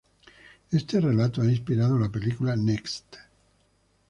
Este relato ha inspirado la película "Next".